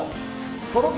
とろけ